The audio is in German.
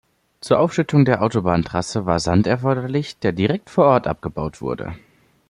Zur Aufschüttung der Autobahntrasse war Sand erforderlich, der direkt vor Ort abgebaut wurde.